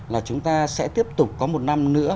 là chúng ta sẽ tiếp tục có một năm nữa